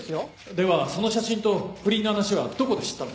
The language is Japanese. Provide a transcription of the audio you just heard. ⁉ではその写真と不倫の話はどこで知ったんですか？